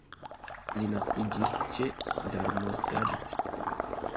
Li naskiĝis ĉe Darmstadt.